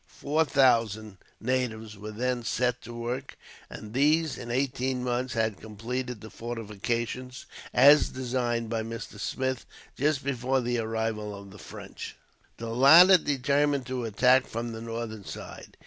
Four thousand natives were then set to work; and these, in eighteen months, had completed the fortifications, as designed by Mr. Smith, just before the arrival of the French. The latter determined to attack from the northern side.